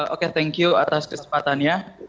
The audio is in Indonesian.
oke thank you atas kesempatannya